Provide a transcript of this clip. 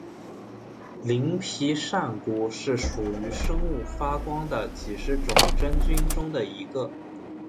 鳞皮扇菇是属于生物发光的几十种真菌中的一个。